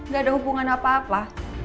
gak ada hubungan apa apa